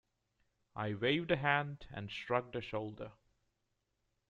I waved a hand and shrugged a shoulder.